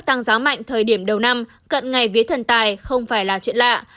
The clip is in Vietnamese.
giá tăng giá mạnh thời điểm đầu năm cận ngày vĩ thần tài không phải là chuyện lạ